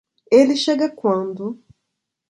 Ele chega quando?